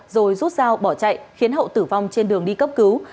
rồi rút dao bỏ chạy khiến hậu tử vong trên đường đi cấp cứu